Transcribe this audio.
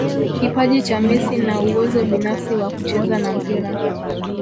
kipaji cha Messi na uwezo binafsi wa kucheza na mpira